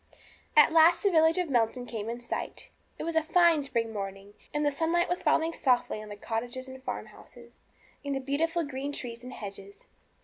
At last the village of Melton came in sight. It was a fine spring morning, and the sunlight was falling softly on the cottages, and farmhouses, and the beautiful green trees and hedges.